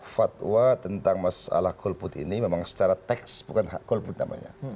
fatwa tentang masalah golput ini memang secara teks bukan hak golput namanya